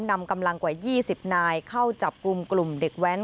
นำกำลังกว่า๒๐นายเข้าจับกลุ่มกลุ่มเด็กแว้น